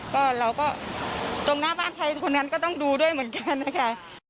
ก็เราก็ตรงหน้าบ้านใครคนนั้นก็ต้องดูด้วยเหมือนกันนะคะ